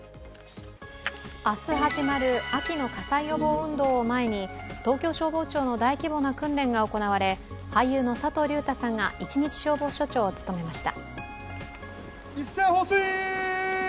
明日始まる秋の火災予防運動を前に東京消防庁の大規模な訓練が行われ、俳優の佐藤隆太さんが一日消防署長を務めました。